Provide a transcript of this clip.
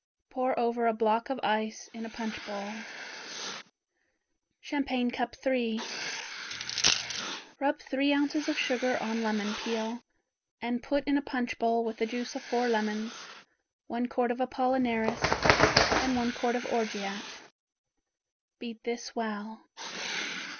Pour over a block of ice in a punch bowl. Champagne Cup III Rub three ounces of sugar on lemon peel and put in a punch bowl with the juice of four lemons, one quart of apollinaris, and one quart of orgeat. Beat this well.